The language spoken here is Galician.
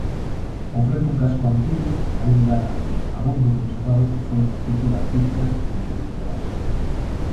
Ofrece un casco antigo aínda abondo conservado que foi refuxio de artistas e intelectuais.